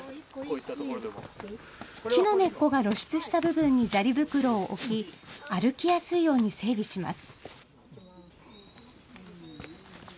木の根っこが露出した部分に砂利袋を置き、歩きやすいように整備します。